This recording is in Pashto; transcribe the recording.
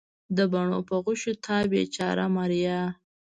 د بڼو په غشیو تا بیچاره ماریا